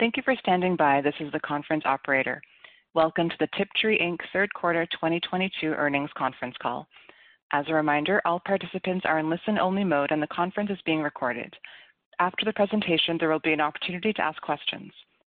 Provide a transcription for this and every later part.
Thank you for standing by. This is the conference operator. Welcome to the Tiptree Inc. third quarter 2022 earnings conference call. As a reminder, all participants are in listen-only mode, and the conference is being recorded. After the presentation, there will be an opportunity to ask questions.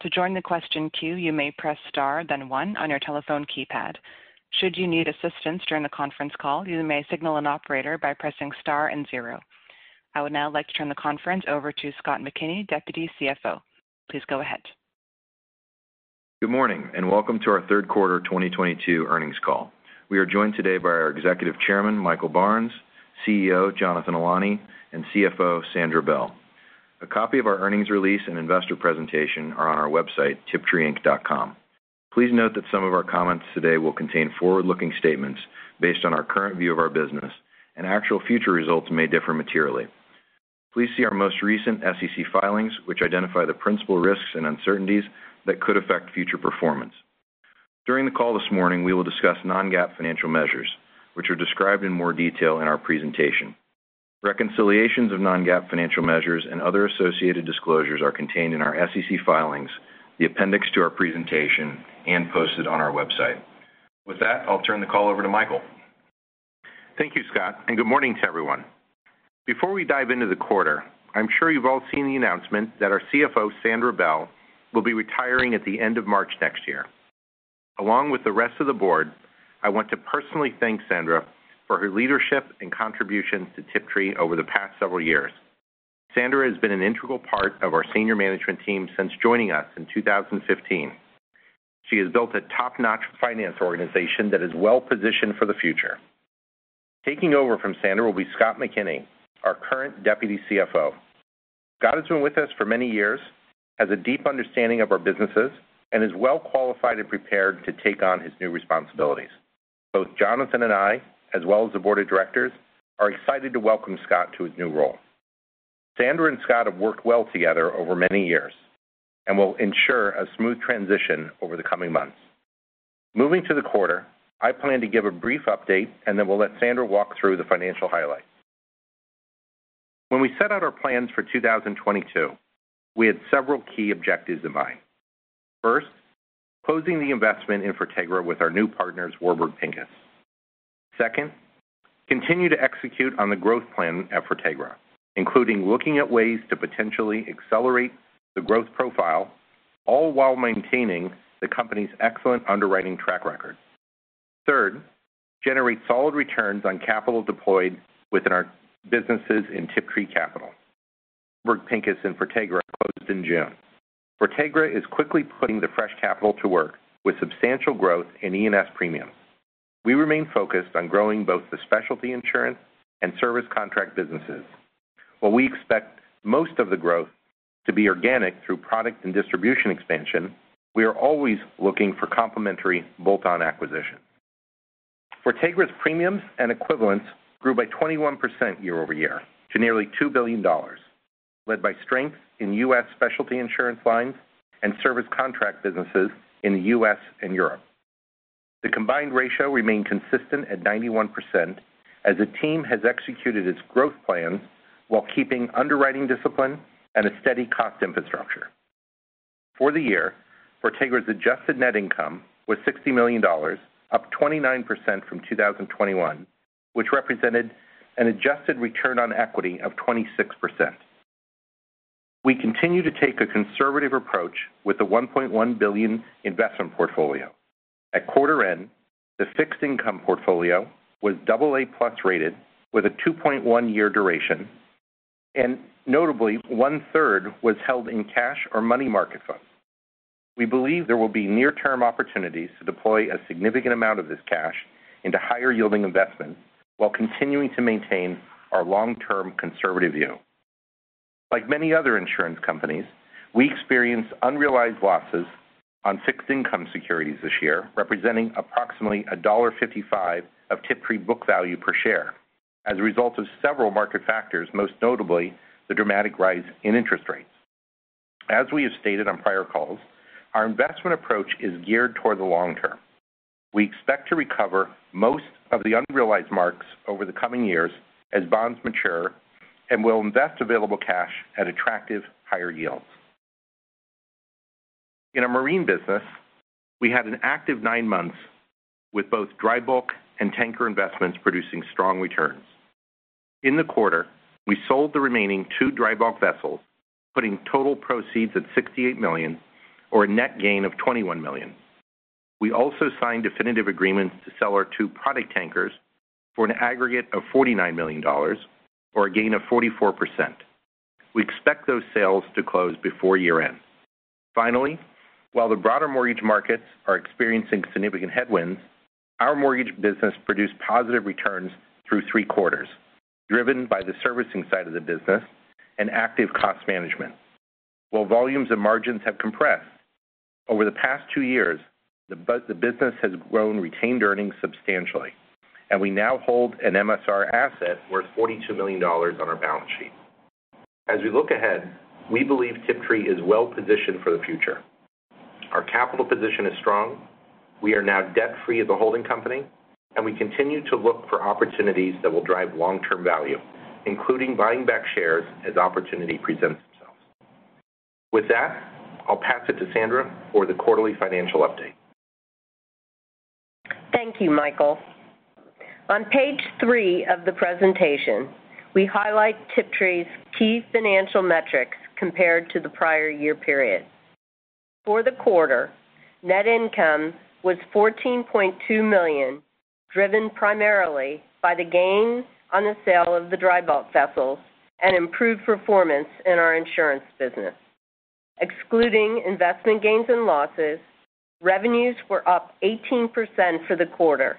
To join the question queue, you may press star then one on your telephone keypad. Should you need assistance during the conference call, you may signal an operator by pressing star and zero. I would now like to turn the conference over to Scott McKinney, Deputy CFO. Please go ahead. Good morning, and welcome to our third quarter 2022 earnings call. We are joined today by our Executive Chairman, Michael Barnes, CEO, Jonathan Ilany, and CFO, Sandra Bell. A copy of our earnings release and investor presentation are on our website, tiptreeinc.com. Please note that some of our comments today will contain forward-looking statements based on our current view of our business, and actual future results may differ materially. Please see our most recent SEC filings, which identify the principal risks and uncertainties that could affect future performance. During the call this morning, we will discuss non-GAAP financial measures, which are described in more detail in our presentation. Reconciliations of non-GAAP financial measures and other associated disclosures are contained in our SEC filings, the appendix to our presentation, and posted on our website. With that, I'll turn the call over to Michael. Thank you, Scott, and good morning to everyone. Before we dive into the quarter, I'm sure you've all seen the announcement that our CFO, Sandra Bell, will be retiring at the end of March next year. Along with the rest of the board, I want to personally thank Sandra for her leadership and contributions to Tiptree over the past several years. Sandra has been an integral part of our senior management team since joining us in 2015. She has built a top-notch finance organization that is well-positioned for the future. Taking over from Sandra will be Scott McKinney, our current Deputy CFO. Scott has been with us for many years, has a deep understanding of our businesses, and is well qualified and prepared to take on his new responsibilities. Both Jonathan and I, as well as the board of directors, are excited to welcome Scott to his new role. Sandra and Scott have worked well together over many years and will ensure a smooth transition over the coming months. Moving to the quarter, I plan to give a brief update, and then we'll let Sandra walk through the financial highlights. When we set out our plans for 2022, we had several key objectives in mind. First, closing the investment in Fortegra with our new partners, Warburg Pincus. Second, continue to execute on the growth plan at Fortegra, including looking at ways to potentially accelerate the growth profile all while maintaining the company's excellent underwriting track record. Third, generate solid returns on capital deployed within our businesses in Tiptree Capital. Warburg Pincus and Fortegra closed in June. Fortegra is quickly putting the fresh capital to work with substantial growth in E&S premium. We remain focused on growing both the specialty insurance and service contract businesses. While we expect most of the growth to be organic through product and distribution expansion, we are always looking for complementary bolt-on acquisitions. Fortegra's premiums and equivalents grew by 21% year-over-year to nearly $2 billion, led by strength in U.S. specialty insurance lines and service contract businesses in the U.S. and Europe. The combined ratio remained consistent at 91% as the team has executed its growth plan while keeping underwriting discipline and a steady cost infrastructure. For the year, Fortegra's adjusted net income was $60 million, up 29% from 2021, which represented an adjusted return on equity of 26%. We continue to take a conservative approach with the $1.1 billion investment portfolio. At quarter end, the fixed income portfolio was AA+ rated with a 2.1-year duration, and notably, 1/3 was held in cash or money market funds. We believe there will be near-term opportunities to deploy a significant amount of this cash into higher-yielding investments while continuing to maintain our long-term conservative view. Like many other insurance companies, we experienced unrealized losses on fixed income securities this year, representing approximately $1.55 of Tiptree book value per share as a result of several market factors, most notably the dramatic rise in interest rates. As we have stated on prior calls, our investment approach is geared toward the long term. We expect to recover most of the unrealized marks over the coming years as bonds mature and will invest available cash at attractive higher yields. In our marine business, we had an active nine months with both dry bulk and tanker investments producing strong returns. In the quarter, we sold the remaining two dry bulk vessels, putting total proceeds at $68 million or a net gain of $21 million. We also signed definitive agreements to sell our two product tankers for an aggregate of $49 million or a gain of 44%. We expect those sales to close before year-end. Finally, while the broader mortgage markets are experiencing significant headwinds, our mortgage business produced positive returns through three quarters, driven by the servicing side of the business and active cost management. While volumes and margins have compressed, over the past two years, the business has grown retained earnings substantially, and we now hold an MSR asset worth $42 million on our balance sheet. As we look ahead, we believe Tiptree is well-positioned for the future. Our capital position is strong. We are now debt-free as a holding company, and we continue to look for opportunities that will drive long-term value, including buying back shares as opportunity presents itself. With that, I'll pass it to Sandra for the quarterly financial update. Thank you, Michael. On page three of the presentation, we highlight Tiptree's key financial metrics compared to the prior year period. For the quarter, net income was $14.2 million, driven primarily by the gain on the sale of the dry bulk vessel and improved performance in our insurance business. Excluding investment gains and losses, revenues were up 18% for the quarter,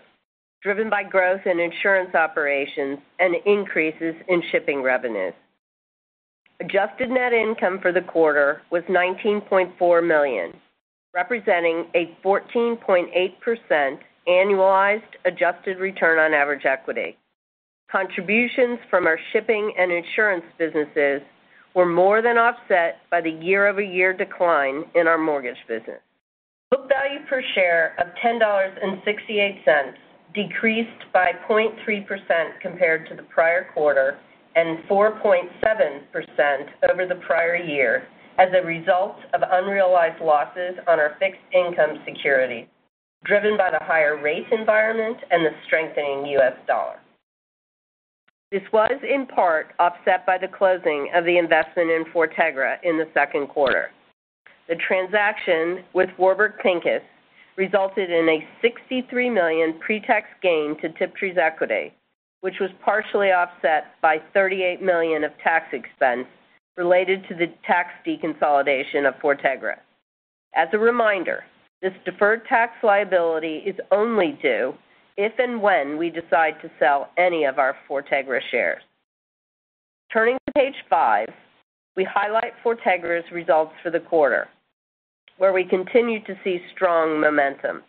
driven by growth in insurance operations and increases in shipping revenues. Adjusted net income for the quarter was $19.4 million, representing a 14.8% annualized adjusted return on average equity. Contributions from our shipping and insurance businesses were more than offset by the year-over-year decline in our mortgage business. Book value per share of $10.68 decreased by 0.3% compared to the prior quarter and 4.7% over the prior year as a result of unrealized losses on our fixed income security, driven by the higher rate environment and the strengthening U.S. dollar. This was in part offset by the closing of the investment in Fortegra in the second quarter. The transaction with Warburg Pincus resulted in a $63 million pre-tax gain to Tiptree's equity, which was partially offset by $38 million of tax expense related to the tax deconsolidation of Fortegra. As a reminder, this deferred tax liability is only due if and when we decide to sell any of our Fortegra shares. Turning to page five, we highlight Fortegra's results for the quarter, where we continue to see strong momentum.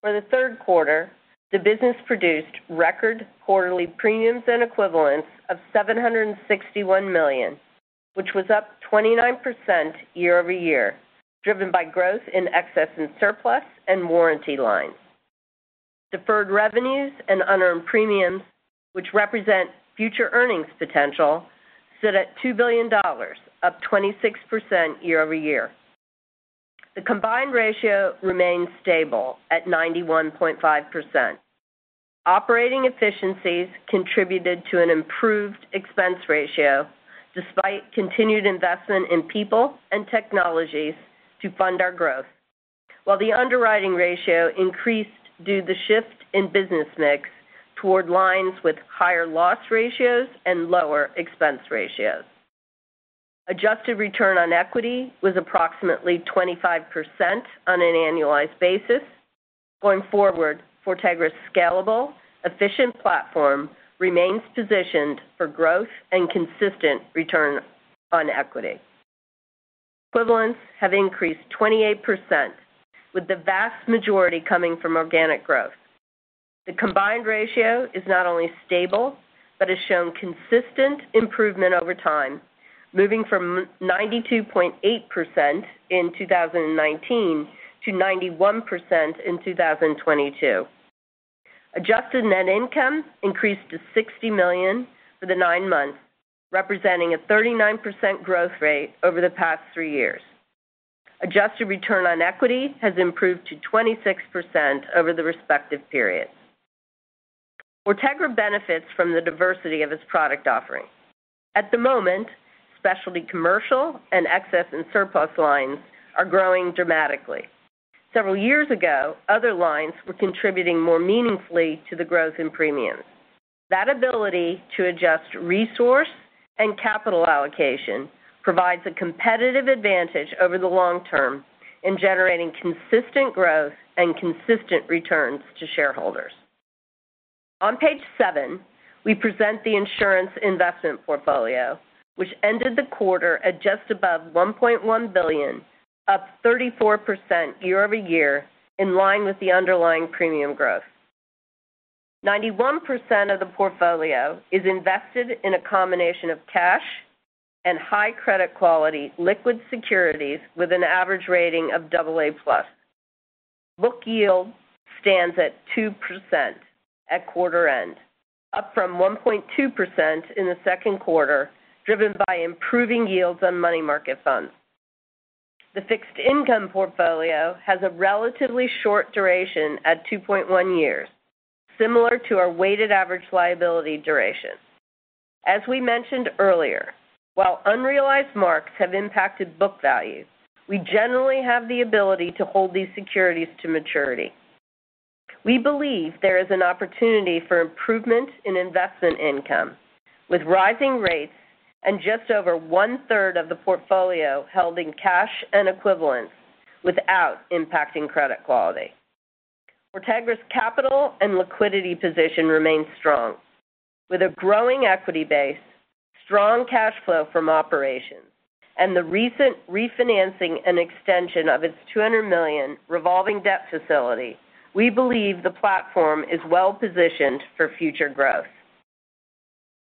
For the third quarter, the business produced record quarterly premiums and equivalents of $761 million, which was up 29% year-over-year, driven by growth in excess and surplus and warranty lines. Deferred revenues and unearned premiums, which represent future earnings potential, sit at $2 billion, up 26% year-over-year. The combined ratio remains stable at 91.5%. Operating efficiencies contributed to an improved expense ratio despite continued investment in people and technologies to fund our growth, while the underwriting ratio increased due to shifts in business mix toward lines with higher loss ratios and lower expense ratios. Adjusted return on equity was approximately 25% on an annualized basis. Going forward, Fortegra's scalable, efficient platform remains positioned for growth and consistent return on equity. Equivalents have increased 28%, with the vast majority coming from organic growth. The combined ratio is not only stable, but has shown consistent improvement over time, moving from 92.8% in 2019 to 91% in 2022. Adjusted net income increased to $60 million for the nine months, representing a 39% growth rate over the past three years. Adjusted return on equity has improved to 26% over the respective period. Fortegra benefits from the diversity of its product offering. At the moment, specialty commercial and excess and surplus lines are growing dramatically. Several years ago, other lines were contributing more meaningfully to the growth in premiums. That ability to adjust resource and capital allocation provides a competitive advantage over the long term in generating consistent growth and consistent returns to shareholders. On page seven, we present the insurance investment portfolio, which ended the quarter at just above $1.1 billion, up 34% year-over-year, in line with the underlying premium growth. 91% of the portfolio is invested in a combination of cash and high credit quality liquid securities with an average rating of AA+. Book yield stands at 2% at quarter end, up from 1.2% in the second quarter, driven by improving yields on money market funds. The fixed income portfolio has a relatively short duration at 2.1 years, similar to our weighted average liability duration. As we mentioned earlier, while unrealized marks have impacted book value, we generally have the ability to hold these securities to maturity. We believe there is an opportunity for improvement in investment income with rising rates and just over one-third of the portfolio held in cash and equivalents without impacting credit quality. Fortegra's capital and liquidity position remains strong. With a growing equity base, strong cash flow from operations, and the recent refinancing and extension of its $200 million revolving debt facility, we believe the platform is well-positioned for future growth.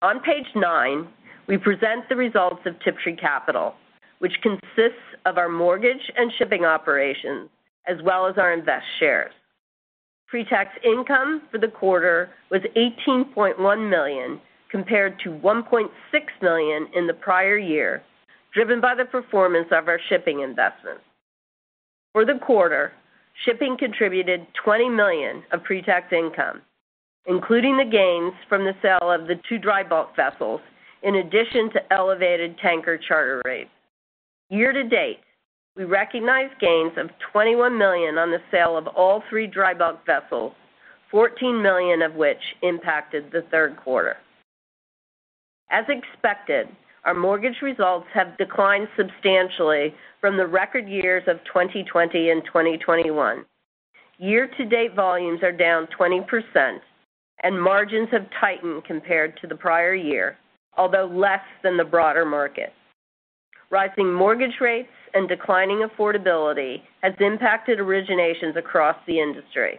On page nine, we present the results of Tiptree Capital, which consists of our mortgage and shipping operations as well as our invest shares. Pre-tax income for the quarter was $18.1 million compared to $1.6 million in the prior year, driven by the performance of our shipping investments. For the quarter, shipping contributed $20 million of pre-tax income, including the gains from the sale of the two dry bulk vessels in addition to elevated tanker charter rates. Year to date, we recognized gains of $21 million on the sale of all three dry bulk vessels, $14 million of which impacted the third quarter. As expected, our mortgage results have declined substantially from the record years of 2020 and 2021. Year to date volumes are down 20% and margins have tightened compared to the prior year, although less than the broader market. Rising mortgage rates and declining affordability has impacted originations across the industry.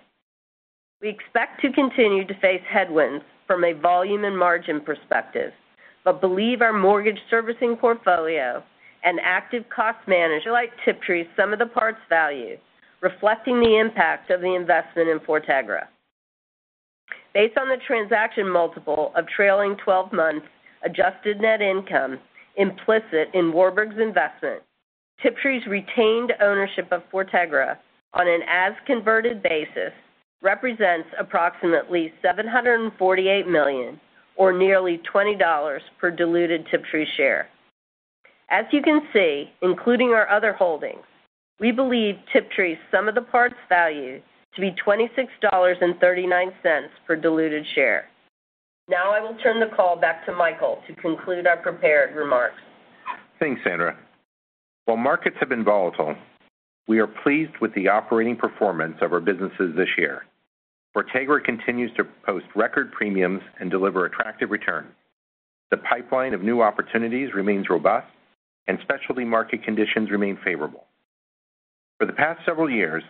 We expect to continue to face headwinds from a volume and margin perspective, but believe our mortgage servicing portfolio and active cost management. Like Tiptree, sum of the parts value reflecting the impact of the investment in Fortegra. Based on the transaction multiple of trailing 12 months adjusted net income implicit in Warburg Pincus's investment, Tiptree's retained ownership of Fortegra on an as converted basis represents approximately $748 million or nearly $20 per diluted Tiptree share. As you can see, including our other holdings, we believe Tiptree's sum of the parts value to be $26.39 per diluted share. Now I will turn the call back to Michael to conclude our prepared remarks. Thanks, Sandra. While markets have been volatile, we are pleased with the operating performance of our businesses this year. Fortegra continues to post record premiums and deliver attractive returns. The pipeline of new opportunities remains robust and specialty market conditions remain favorable. For the past several years,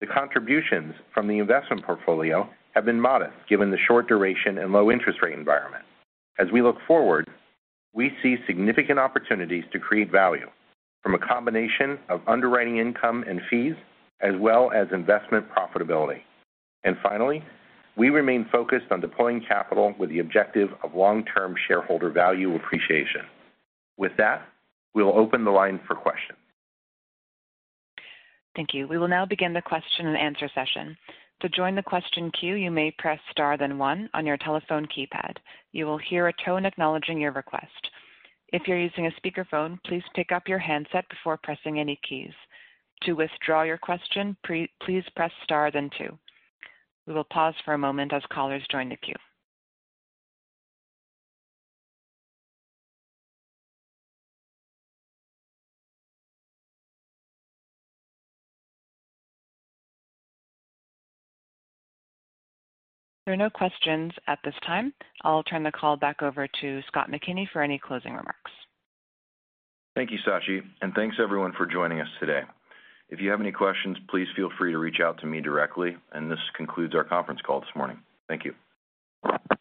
the contributions from the investment portfolio have been modest given the short duration and low interest rate environment. As we look forward, we see significant opportunities to create value from a combination of underwriting income and fees as well as investment profitability. Finally, we remain focused on deploying capital with the objective of long-term shareholder value appreciation. With that, we will open the line for questions. Thank you. We will now begin the question and answer session. To join the question queue, you may press star then one on your telephone keypad. You will hear a tone acknowledging your request. If you're using a speakerphone, please pick up your handset before pressing any keys. To withdraw your question, please press star then two. We will pause for a moment as callers join the queue. There are no questions at this time. I'll turn the call back over to Scott McKinney for any closing remarks. Thank you, Satchi, and thanks everyone for joining us today. If you have any questions, please feel free to reach out to me directly. This concludes our conference call this morning. Thank you.